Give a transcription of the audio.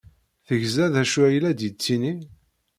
Tegza d acu ay la d-yettini?